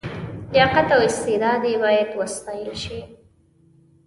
لیاقت او استعداد یې باید وستایل شي.